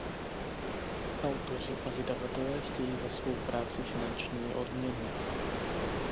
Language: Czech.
Autoři a vydavatelé chtějí za svou práci finanční odměnu.